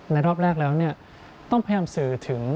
รอบแรกแล้วต้องพยายามสื่อถึง